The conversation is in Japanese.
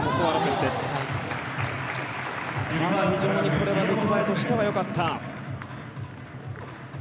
非常に出来栄えとしては良かった。